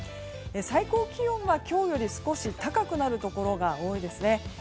最高気温は今日より少し高くなるところが多いですね。